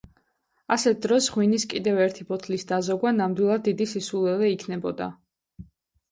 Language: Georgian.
ასეთ დროს ღვინის კიდევ ერთი ბოთლის დაზოგვა ნამდვილად დიდი სისულელე იქნებოდა